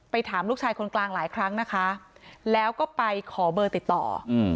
ถามลูกชายคนกลางหลายครั้งนะคะแล้วก็ไปขอเบอร์ติดต่ออืม